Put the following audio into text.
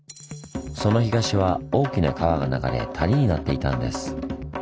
その東は大きな川が流れ谷になっていたんです。